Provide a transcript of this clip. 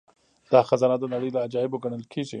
دا خزانه د نړۍ له عجايبو ګڼل کیږي